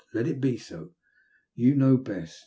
Let it be so. You know best.